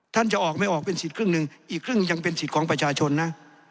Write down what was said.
จะออกไม่ออกเป็นสิทธิครึ่งหนึ่งอีกครึ่งยังเป็นสิทธิ์ของประชาชนนะ